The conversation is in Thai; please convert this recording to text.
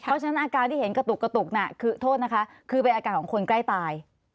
เพราะฉะนั้นอาการที่เห็นกระตุกกระตุกน่ะคือโทษนะคะคือเป็นอาการของคนใกล้ตาย